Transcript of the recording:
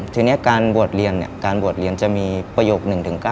ทีนี้การบวชเรียนจะมีประโยค๑๙